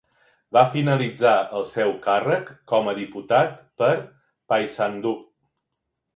Va finalitzar el seu càrrec com a diputat per Paysandú.